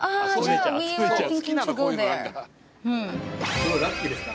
すごいラッキーでしたね。